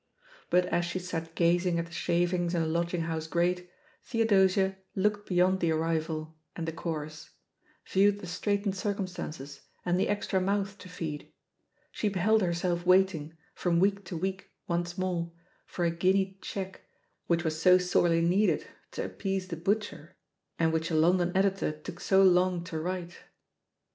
But as she sat gazing at the shavings in the lodging house grate, Theodosia looked be yond the arrival and the chorus — ^viewed the straitened circumstances and the extra mouth to feed; she beheld herself waiting, from week to week once more, for a guinea cheque which was 00 sorely needed to appease the butcher and which a London editor took so long to write.